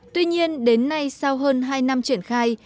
tuy nhiên đến nay sau hơn hai năm triển khai